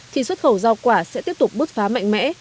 thì xuất khẩu giao quả sẽ tiếp tục bước phá mạnh mẽ